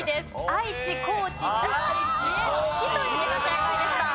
愛知高知知識知恵の「知」という字が正解でした。